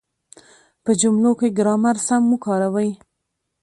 په جملو کې ګرامر سم وکاروئ.